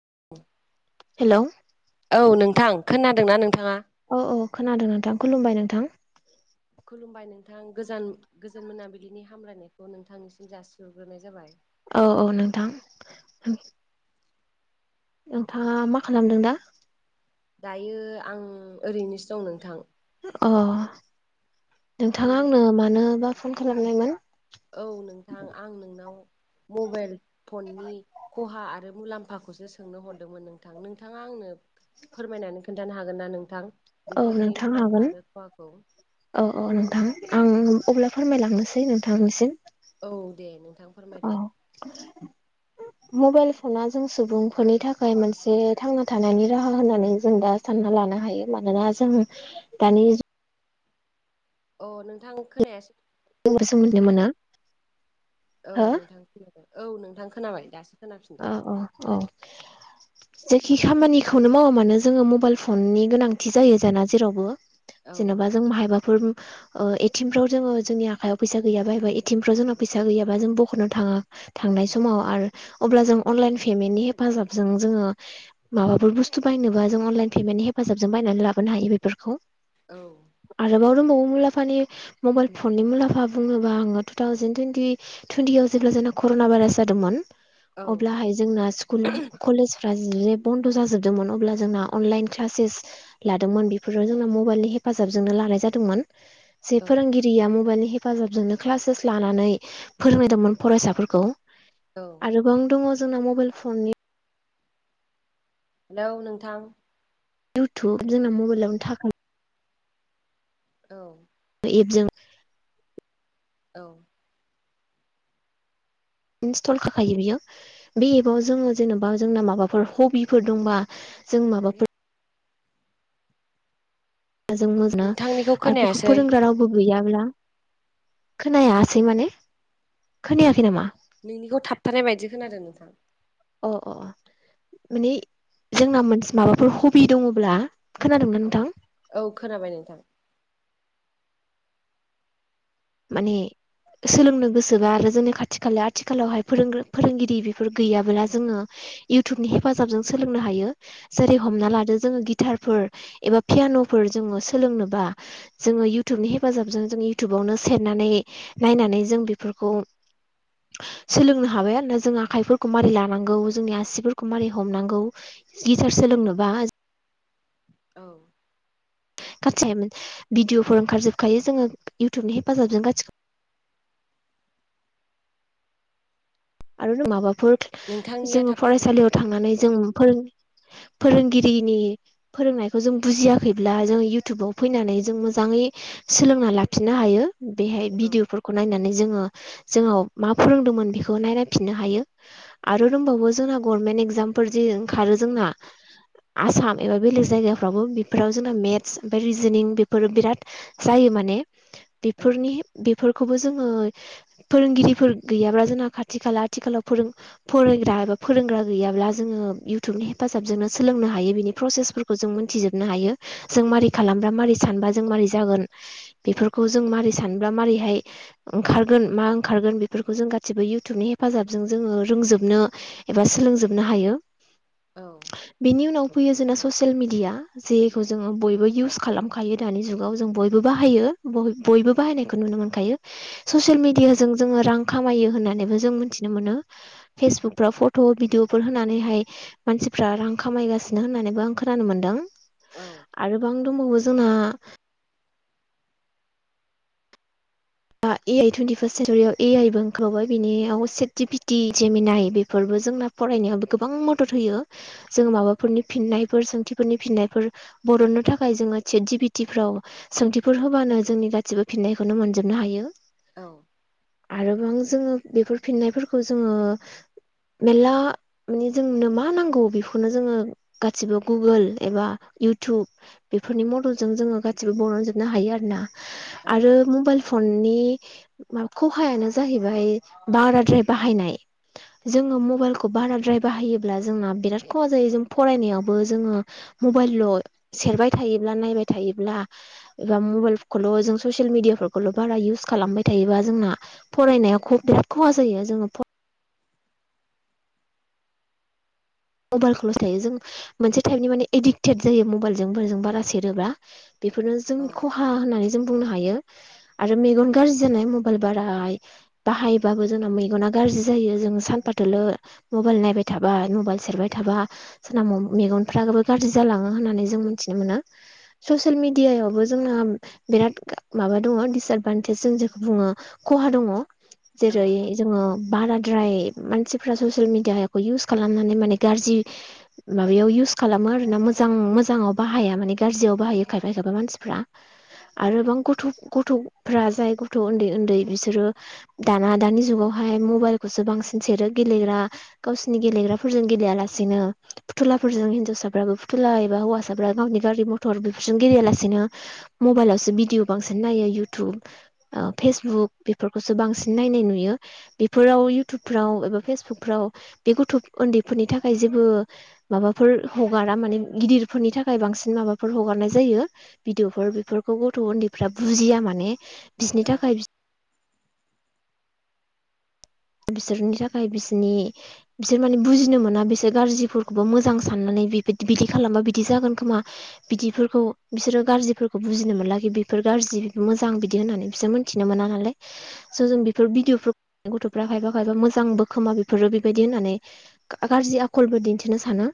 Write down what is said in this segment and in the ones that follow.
[inaudible] Hello. औ नोंथां खोनादोंना नोंथाङा। औ औ खोनादों नोंथां खुलुमबाय नोंथां। खुलुमबाय नोंथां गोजान गोजोन मोनाबिलिनि हामलायनायखौ नोंथांनिसिम जासिहरग्रोनाय जाबाय औ औ नोंथां। नोंथाङा मा खालामदों दा? दायो आं ओरैनोसो दं नोंथां! अ आं नोंथाङा आंनो मानोबा फन खालामनायमोन औ नोंथां आं नोंनाव मबाइल फननि खहा आरो मुलाम्फाखौसो सोंनो हरदोंमोन नोंथां नोंथाङा आंनो फोरमायनानै खोन्थानो हागोन ना नोंथां। औ बेफोरनि नोंथां मुलाम्फा हागोन आरो खहाखौ? औ औ नोंथां। आं अब्ला फोरमायलांनोसै नोंथांसिम औ दे नोंथां फोरमायदो! [inaudible] मबाइल फना जों सुबुंफोरनि थाखाय मोनसे थांना थानायनि राहा होननानै जों दा सानना ला। नो हायो मानोना जों दानि अ नोंथां खोनायासै [unintelligible] मोना। औ हो औ नोंथां खोनाबाय औ नोंथां खोनाबाय दासो खोनाफिनदों। अ अ अ। जेखि खामानिखौनो मावा मानो जोङो मबाइल फननि गोनांथि जायो जाना जेरावबो औ जेनेबा जों माहायबाफोर ओह एटिमफ्राव जोङो जोंनि आखायाव फैसा गैयाबा एबा एटिमफ्राव जोंना फैसा गैयाबा जों बख'नो थाङा थांनाय समाव आरो अब्ला जों अनलाइन पेमेन्टनि हेफाजाबजों जोङो माबाफोर बुस्थु बायनोबा जों अनलाइन पेमेन्टनि हेफा जाबजों बायनानै लाबोनो हायो बेफोरखौ औ। [unintelligible] मुलाम्फानि मबाइल फननि मुलाम्फा बुङोब्ला आङो टु थावजेन टुइनटि टुइनटि आव जेब्ला जों ना करना भाइरास जादोंमोन औ अब्लाहाय जोंना स्कुल कलेज फ्रा जे बन्द' जाजोबदोंमोन अब्ला जोंना अनलाइन क्लासेस लादोंमोन बेफोराव जोंना मबाइलनि हेफा जाबजोंनो लानाय जादोंमोन जे औ फोरोंगिरिया मबाइलनि हेफाजाबजोंनो क्लासेस लानानै फोरोंदोंमोन फरायसाफोरखौ औ। आरो गोबां दङ जोंना मबाइल फननि हेलौ नोंथां। इउटुब जोंना मबाइलावनो थाखाय औ एबजों औ इनस्टल जाखायो बियो बे एपाव जोङो जेन'बा जोंना माबाफोर हबिफोर दंबा जों माबाफोर जों मोजां नोंथांनिखौ आरो बेखौ खोनायासै फोरोंग्रा रावबो गैयाब्ला खोनायासै माने खोनायाखै नामा? नोंनिखौ थाबथानाय बायदि खोनादों नोंथां अ अ अ माने जोंना मोन्स माबाफोर हबि दङब्ला खोनादोंना औ नोंथां औ खोनाबाय नोंथां माने सोलोंनो गोसोबा आरो जोंनि खाथि- खाला आथिखालावहाय फोरों फोरोंगिरि बेफोर गैयाब्ला जोङो इउटुबनि हेफाजाबजों सोलोंनो हायो जेरै हमना लादो जोङो गिटारफोर एबा पियान' -फोर जोंड़ो सोलोंनोबा जोङो युथुबनि हेफाजाबजों जों युथुब आवनो सेरनानै नायनानै जों बेफोरखौ सोलोंनो हाबाय आरोना जों आखाइफोरखौ मारै लानांगौ जोंनि आसिफोरखौ मारै हमनांगौ। गिथार सोलोंनोबा औ गासै भिडअफोर ओंखारजोबखायो जोङो इउटुबनि हेफाजाबजों गासि आरो माबाफोर नोंथांनिया जोङो थाबथादों फरायसालियाव थांनानै जों फोरों [inaudible] फोरोंगिरिनि फोरोंनायखौ जों बुजियाखैब्ला जों इयउथुबाव फैनानै जों मोजाङै सोलोंना लाफिननो हायो बेहाय औ भिदिअफोरखौ नायनानै जोङो जोंनाव मा फोरोंदोंमोन बेखौ नायनाय फिननो हायो आरो रोंबावो जोंना गरमेन्ट एगजामफोर जि ओंखारो जोंना आसाम एबा बेलेग जायगाफ्रावबो बेफोराव जोंना मेथ्स ओमफ्राय रिजोनिं बेफोरो बिराद जायो माने औ बेफोरनि बेफोरखौबो जोङो फोरोंगिरिफोर गैयाब्ला जोंना खाथ थि खाला आथिखालाव फोरों फरायग्रा एबा फोरोंग्रा गैयाब्ला जोङो इउथुबनि हेफाजाबजोंनो सोलोंनो हायो बिनि प्रसेसफोरखौ जों मोनथिजोबनो हायो जों मारै खालामबा मारै सानबा जों मारै जागोन बेफोरखौ जों मारै सानब्ला मारोरैहाय ओंखारगोन मा ओंखारगोन बेफोरखौ जों गासिबो यु थुबनि हेफाजाबजों जोङो रोंजोबनो एबा सोलोंजोबनो हायो औ बिनि उनाव फैयो जोंना ससियेल मिडिया जेखौ जोङो बयबो इउस खालामखायो दानि जुगाव जों बयबो बाहायो बय बयबो बाहायनायखौ नुनो मोनखायो ससियेल मिडियाजों जोङो रां खामायो होननानैबो जों मिथिनो मोनो फेसबुक फोराव फट' भिदिअ फोर होनानैहाय मानसिफ्रा रां खामायगा सिनो होननानैबो आं खोनानो मोन्दों औ औ आरोबां दंबावो जोंना दा ए आइ टुइन्टि फार्स्ट सेन्सुरियाव ए आइबो ओखारावबाय बिनियाव चेटजिपिटि जेमिनाय बेफोरबो जोंना फरायनायावो गोबां मदद होयो जों माबाफोरनि फिननायफोर सोंथिफोरनि फिननायफोर बरननो थाखाय जोङो चेट जिपिटिफ्राव सोंथिफोर होबानो जोंनि गासिबो फिननायखौनो मोनजो जोबनो हायो औ गोबां जोङो बेफोर फिननायफोरखौ जोङो मेल्ला माने जोंनो मा नांगौ बेखौनो जोङो गासिबो गुगोल एबा इउटुब बेफोरनि मदलजों जोङो गासिबो बरनजोबनो हायो आरो ना औ आरो मबाइल फननि खहायानो जाहैबाय बाराद्राय बाहायनाय जोङो मबाइलखौ बाराद्राय बाहायोब्ला जोंना बिराद खहा जायो जों फरायनायावबो जोङो मबाइलल' सेरबाय थायोब्ला नायबाय थायोब्ला एबा मबाइल खौल' जों ससियेल मिडिया खौल' बारा इउस खालामबाय थायोबा जोंना फरायनाया ख बिराद खहा जायो जोङो मबाइल खौल'स थायो जों मोनसे टाइपनि माने एडिक्टेड जायो मबाइलजोंबो बारा सेरोब्ला। बेफोरो जों औ खहा होननानै जों बुंनो हायो आरो मेगन गारजि जानाय मबाइल बारा बाहायबाबो जोंना मेगना गाज्रि जायो जों सानफाथोल मबाइल नायबाय थाबाय मबाइल सेरबाय थाबा साब मेगनफ्राबो गाज्रि जालाङो होननानै जों मिथिनो मोनो ससियेल मिदियायावबो जोंना बिराद माबा दङ दिसएदभान्टेज जों जेखौ बुङो खहा दङ। जेरै जोङो बाराद्राय मानसिफ्रा ससियेल मिडियाखौ इउस खालामनानै माने गाज्रि माबायाव इउस खालामो आरोना मोजां मोजाङाव बाहाया माने गाज्रियाव बाहायो खायफा मानसिफ्रा आरोबां गथ गथफ्रा जाय गथ उन्दै उन्दै बिसोरो दाना दानि जुगाव हाय मबाइलखौसो बांसिन सेरो गेलेग्रा गावसिनि गेलेग्राफोरजों गेलेया लासेनो फुथुलाफोरजों हिनजावसाफ्राबो फुथुला एबा हौवासाफ्रा गावनि गारि मथर बेफोरजों गेले यालासेनो मबाइलावसो भिदिअ बांसिन नायो इउटुब फेसबुक बेफोरखौ बांसिन नायनाय नुयो। बेफोराव इउथुबफ्राव एबा फेसबुकफ्राव बे गथ उन्दै फोरनि थाखाय जेबो माबाफोर हगारा माने गिदिरफोरनि थाखाय बांसिन माबाफोर हगारनाय जायो। होयो भिडिअफोर बेफोरखौ गथ उन्दैफ्रा बुजिया माने बिसोरनि थाखाय बिसोरनि थाखाय बिसोरनि बिसोर माने बुजिनो मोना बिसोर गाज्रिफोरखौबो मोजां साननानै बि खालामबा बिदि जागोन खोमा बिदिफोरखौ बिसोरो गाज्रिफोरखौ बुजिनो लागि गाज्रि मोजां बिदि होननानै बिसोर मोनथिनो मोन नालाय जों बेफोर भिदिअ गथ फ्रा खायफा खायफा मोजांबो खोमा बेफोरो बेबायदि होननानै गाज्रि आखलबो दिन्थिनो सानो।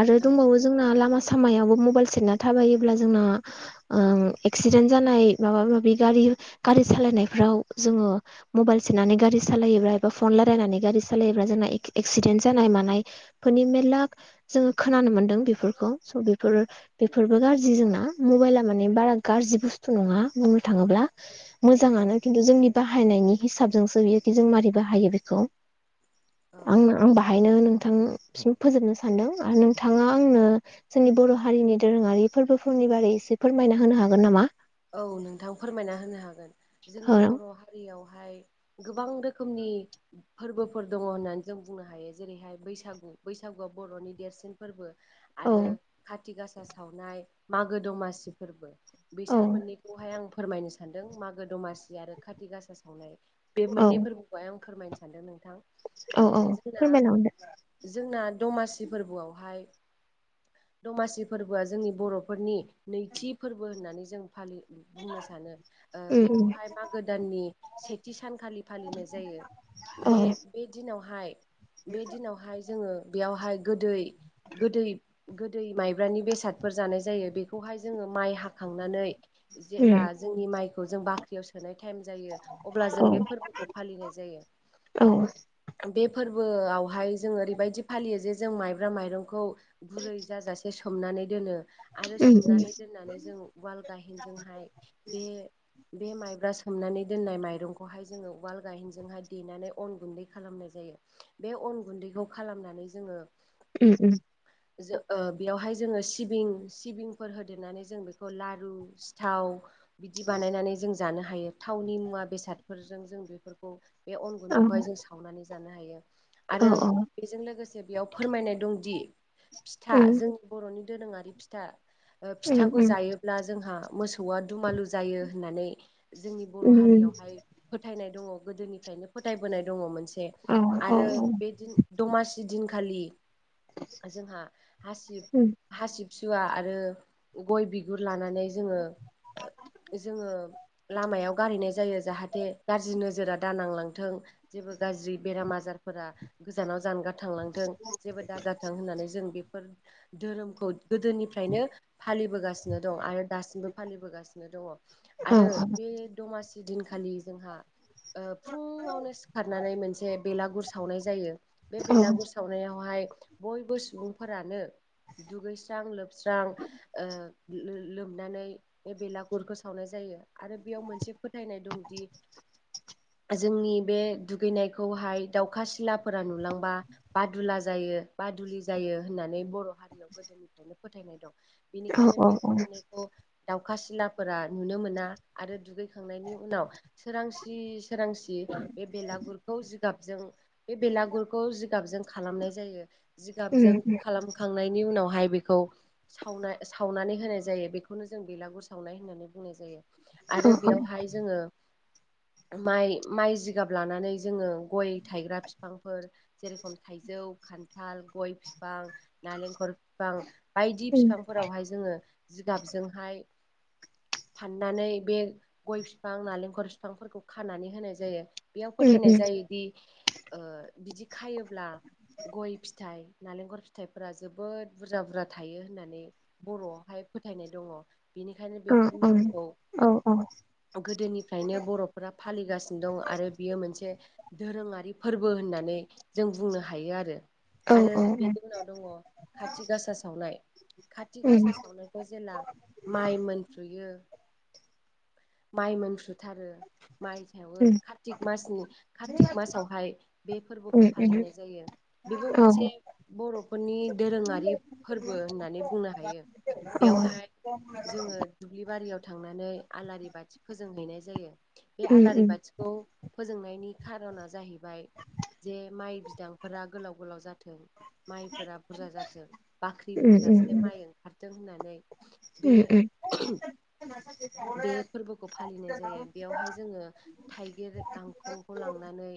आरो औ दंबावो जोंना लामा सामायाव मबाइल सेरना थायो जोंना ओ एकसिदेन्ट जानाय माबा माबि गारि गारि सालायनाफ्राव जोङो मबाइल सेरननानै गारि सालायोब्ला एबा फन रालायनानै गारि सालायोब्ला जोंना एक्सिडेन्ट जानाय मानायफोरनि मेरला जोङो खोनानो मोनदों बेफोरखौ स बेफोर बेफोरबो गाज्रि जोंना मबाइला माने बारा गार जि बुस्थु नङा बुंनो थाङोब्ला। मोजाङानो खिन्थु जोंनि बाहायनायनि हिसाबजोंसो बियोखि जों मारै बाहायो बेखौ औ आं आं बाहायनो होनो। नोंथां फोजोबनो सानदों आरो नोंथाङा आंनो जोंनि बर' हारिनि दोरोङारि फोरबो नि बारै एसे फोरमायना होनो हागोन नामा? औ नोंथां फोरमायना होनो हागोन औ जोंनि बर हारियाव हाय गोबां रोखोमनि फोरबोफोर दङ होननानै जों बुंनो हायो जेरैहाय बैसागु। बैसागुआ बरनि देरसिन फोरबो। औ आरो खाथि गासा सावनाय मागो दमासि फोरबो। औ बिसोर मोननैखौहाय आं फोरमायनो सानदों मागो दमासि आरो खाथि गासा सावनाय बे औ मोननै फोरबोखौहाय आं फोरमायनो सानदों नोंथां। औ ओ औ जोंना फोरमायलांदो। जोंना दमासि फोरबोआवहाय दमासि फोरबोआ जोंनि बरफोरनि नैथि फोरबो होननानै जों फालि बुंनो सानो ओ उम उम बेखौहाय मागो दाननि सेथि सानखालि फालिनाय जायो। औ बे दिनावहाय बे दिनावहाय जोङो बेयावहाय गोदै गोदै गोदै माइब्रानि बेसादफोर जानाय जायो बेखौहाय जोङो माइ हाखांनानै उम जेला जोंनि माइखौ जों बाख्रियाव सोनाय थायेम जायो अब्ला औ जों बे फोरबोखौ फालिनाय जायो। औ बे फोरबोआवहाय जों ओरैबायदि फालियो जे जों माइब्रा माइरंखौ गुरै जाजासे सोमनानै दोनो आरो उम सोमनानै दोननानै जों उवाल गाहेनजोंहाय बे बे माइब्रा सोमनानै दोननाय माइरंखौहाय जोङो उवाल गायेनजोंहाय देनानै अन गुन्दै खालामनाय जायो। बे अन गुन्दैखौ खालामनानै जोङो उम उम। बेयावहाय जोङो सिबिं सिबिंफोर होदेरनानै जों बेखौ लार रु सिथाव बिदि बानायनानै जों जानो हायो थावनि मुवा बेसादफोरजों जों बेफोरखौ बे अन गुन्दैखौहाय जों सावनानै जानो हायो औ आरो औ बेजों लोगोसे बेयाव फोरमायनाय दंदि फिथा उम जोंनि बर'नि दोरोङारि फिथा ओ उम फिथाखौ उम जायो। जोंहा मोसौआ दुमालु जायो होननानै जोंनि बर' उम उम हारियावहाय फोथायनाय द गोदोनिफ्रायनो फोथायबोनाय द मोन औ औ आरो बे दिन दमासि दिनखालि जोंहा हासिब उम हासिब सुवा आरो गय बिगुर लानानै जोङो जोङो लामायाव गारैनाय जायो जाहाथे गाज्रि नोजोरा दाानांलांथों जेबो गाज्रि बेरामा बाजारफोरा गोजानाव जानगार थांलांथों जेबो दाजाथों होननानै जों बेफोर धोरोमखौ गोदोनिफ्रायनो फालिबोगासिनो दं आरो दासिमबो फालिबोगासिनो दङ औ आरो बे दमासि दिनखालि जोंहा ओ फुङावनो सिखारनानै मोनसे बेलागुर सावनाय जायो बे औ बेलागुर सावनायावहाय बयबो सुबुंफोरानो दुगैस्रां लोबस्रां ओ लोमनानै बे बेलागुरखौ सावनाय जायो। आरो बेयाव मोनसे फोथायनाय दंदि जोंनि बे दुगैनायखौहाय दाउखा सिलाफोरा नुलांबा बादुला जायो। बादुलि जायो होननानै बर' हारियाव गोदोनिफ्रायनो फोथायनाय दं औ बेनिखायनो औ औ बे औ। दुगैनायखौ दाउखा सिलाफोरा नुनो मोना आरो दुगै खांनायनि उनाव सोरांसि सोरांसि बे बेलागुरखौ जिगाबजों बे बेलागुरखौ जिगाबजों खालामनाय जायो जिगाबजों खालामखांनायनि उनाव बेहाय बेखौ सावनाय सावनानै होनाय जायो बेखौनो जों बेलागुर सावनाय होननानै बुंनाय जायो। आरो बेयावहाय जोङो माइ माइ जिगाब लानानै जोङो गय थायग्रा बिफांफोर जेरेखम थाइज जौ खान्थाल गय बिफां नालेंखल बिफां बायदि उम बिफांफोरावहाय जोङो जिगाबजोंहाय फाननानै बे गय बिफां नालेंखर बिफांफोरखौ खानानै होनाय जायो। बेयाव उम फोथायनाय उम जायोदि ओ बिदि खायोब्ला गय फिथाइ नालेंखर फिथाइफोरा जोबोद बुरजा बुरजा थायो होननानै बर'आवहाय फोथायनाय दङ बेनिखायनो औ बेफोर नियमखौ औ औ गोदोनिफ्रायनो बर'फोरा फालिगासिनो दं आरो बियो मोनसे दोरोङारि फोरबो होननानै जों बुंनो हायो आरो। औ आरो औ बिनि उनाव दङ खाथि गासा सावनाय खाथि उम गासा सावनाय ब्ला माइ मोनफ्रुयो माइ मोनफुथारो। माइथायावबो उम कारतिक मासनि कारतिक मासावहाय बे फोरबोखौ उम उम फालिनाय जायो। बेबो औ मोनसे बर'फोरनि दोरोङारि फोरबो होननानै बुंनो हायो। औ बेयावहाय जोङो दुब्लि बारियाव थांनानै आलारि बाथि फोजोंहैनाय जायो। बे उम आलारि उम बाथिखौ फोजोंनायनि खारना जाहैबाय जे माइ बिदांफोरा गोलाव गोलाव जाथों। माइफोरा बुरजा जाथों बाख्रि उम उम बुंजासे माइ ओंखारदों होननानै बे [unintelligible] बे फोरबोखौ फालिनाय जायो बेवहाय जोङो थाइगिर गांखंखौ लांनानै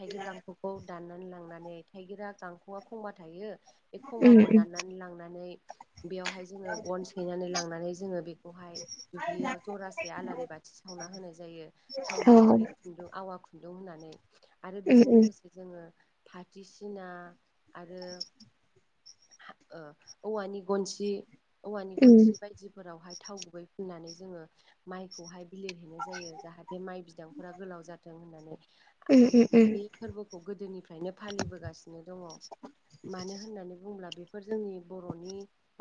थाइगिर गांखनखौ दाननानै लांनानै थाइगिरा गांख'आ खमबा थायो। बे उम औ उम उम खमबाखौ दाननानै लांनानै बेयावहाय जोङो गन सैनानै लांनानै जोङो बेखौहाय दुब्लियाव जरासे आलारि बाथि सावना होनाय जायो। थाव गुबै खुन्दुं आवा खुन्दुं होननानै आरो बेजों उम लोगोसे जोङो फाथसिना आरो ओ औवानि गनसि औवानि गनसि बायदिफोरावहाय थाव गुबै फुननानै जोङो माइखौहाय बिलिरहैनाय जायो जाहाथे माइ बिदांफोरा गोलाव जाथों होननानै। उम उम बे फोरबोखौ गोदोनिफ्रायनो फालिबोगासिनो दङ। मानो होननानै बुंब्ला बे बेफोर जोंनि बर'नि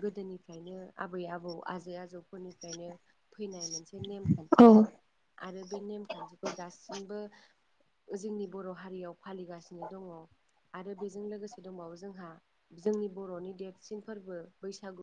गोदोनिफ्रायनो आबै आबौ आजै आजौफोरनिफ्रायनो फैनाय मोनसे नेमखान्थि औ आरो बे नेमखान्थिखौ दासिमबो जोंनि बर' हारियाव फालिगासिनो दङ। आरो बेजों लोगोसे दंबावो जोंहा जोंनि बर'नि देरसिन फोरबो बैसागु।